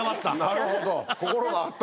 なるほど心が温まった。